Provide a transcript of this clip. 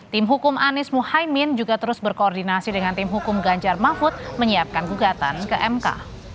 tim hukum anies muhaymin juga terus berkoordinasi dengan tim hukum ganjar mahfud menyiapkan gugatan ke mk